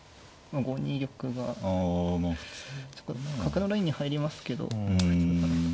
５二玉がちょっと角のラインに入りますけど普通かなと。